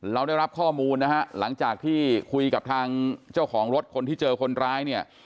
เราได้รับข้อมูลนะฮะหลังจากที่คุยกับทางเจ้าของรถคนที่เจอคนร้ายเนี่ย